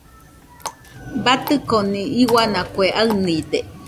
Batɨconi iuana kue aɨnide.